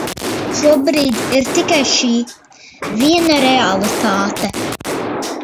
Šobrīd ir tikai šī, viena realitāte.